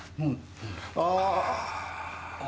ああ！